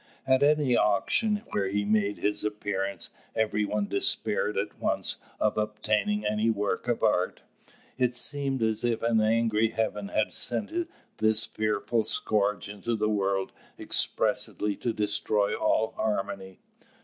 At any auction where he made his appearance, every one despaired at once of obtaining any work of art. It seemed as if an angry heaven had sent this fearful scourge into the world expressly to destroy all harmony.